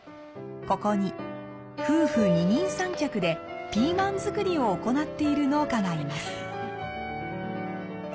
ここに夫婦二人三脚でピーマン作りを行っている農家があります。